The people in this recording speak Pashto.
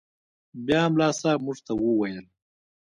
بيا ملا صاحب موږ ته وويل.